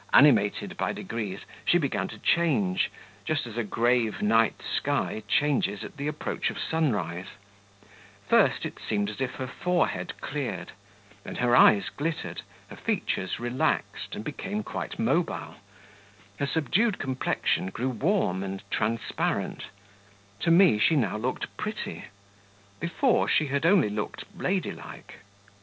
Animated by degrees, she began to change, just as a grave night sky changes at the approach of sunrise: first it seemed as if her forehead cleared, then her eyes glittered, her features relaxed, and became quite mobile; her subdued complexion grew warm and transparent; to me, she now looked pretty; before, she had only looked ladylike.